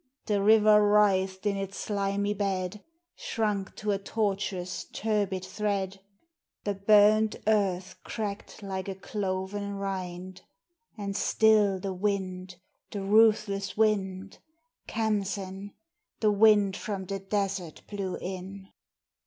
The river writhed in its slimy bed, Shrunk to a tortuous, turbid thread; The burnt earth cracked like a cloven rind; And still the wind, the ruthless wind, Khamsin, The wind from the desert blew in.